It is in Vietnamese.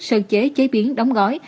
sơ chế chế biến đóng gói